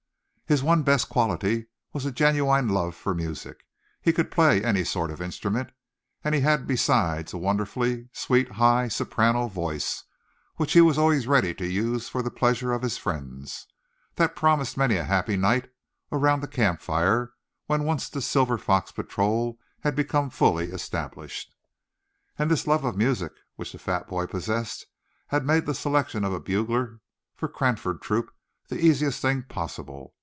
His one best quality was a genuine love for music. He could play any sort of instrument; and had besides a wonderfully sweet high soprano voice, which he was always ready to use for the pleasure of his friends. That promised many a happy night around the camp fire, when once the Silver Fox Patrol had become fully established. And this love of music which the fat boy possessed had made the selection of a bugler for Cranford Troop the easiest thing possible.